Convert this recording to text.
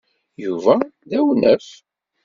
Yuba d awnaf.